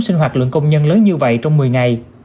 sinh hoạt lượng công nhân lớn như vậy trong một mươi ngày